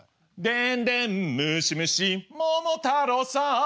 でんでんむしむし桃太郎さん